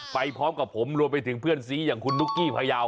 ไปพร้อมกับผมรวมไปถึงเพื่อนซีอย่างคุณนุ๊กกี้พยาว